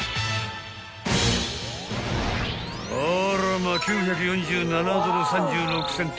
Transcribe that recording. ［あらま９４７ドル３６セント］